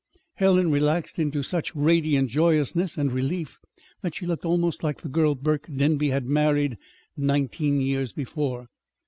Helen relaxed into such radiant joyousness and relief, that she looked almost like the girl Burke Denby had married nineteen years before.